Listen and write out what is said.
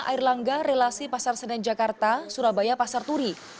air langga relasi pasar senen jakarta surabaya pasar turi